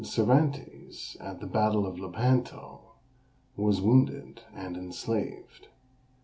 Cervantes, at the battle of Lepanto, was wounded, and enslaved.